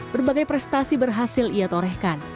berbagai prestasi berhasil ia torehkan